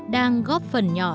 đang góp phần nhỏ